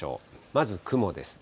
まず雲です。